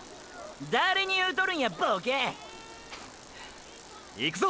⁉誰に言うとるんやボケ！！いくぞ！！